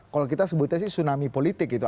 kalau kita sebutnya sih tsunami politik gitu